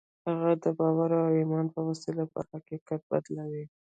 هغه د باور او ايمان په وسيله پر حقيقت بدلوي.